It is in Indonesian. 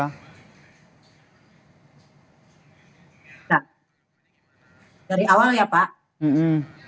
nah dari awal ya pak